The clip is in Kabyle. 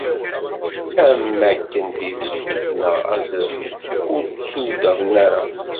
Am akken tidet neɣ azref, ur ttuweddṛen ara.